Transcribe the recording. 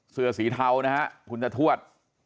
เสื้อสีเทานะฮะคุณตาทวด